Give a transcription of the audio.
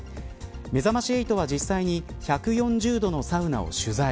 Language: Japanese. めざまし８は、実際に１４０度のサウナを取材。